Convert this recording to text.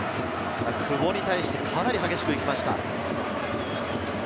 久保に対してかなり激しくいきました。